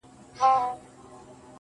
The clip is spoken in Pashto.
ځمه له روحه مي بدن د گلبدن را باسم~